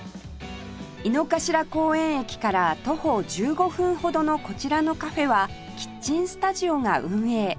井の頭公園駅から徒歩１５分ほどのこちらのカフェはキッチンスタジオが運営